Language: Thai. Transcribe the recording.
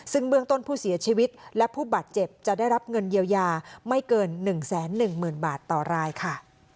ซึ่งเบื้องต้นผู้เสียชีวิตและผู้บาดเจ็บจะได้รับเงินเยียวยาไม่เกิน๑๑๐๐๐บาทต่อรายค่ะ